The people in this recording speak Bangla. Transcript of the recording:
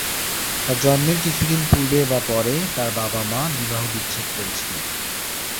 তাঁর জন্মের কিছু দিন পূর্বে বা পরে তার বাবা-মা বিবাহবিচ্ছেদ করেছিলেন।